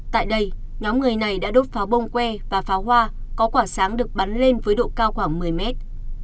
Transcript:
tại đây nhóm người này đã đốt pháo bông que và pháo hoa có quả sáng được bắn lên với độ cao khoảng một mươi mét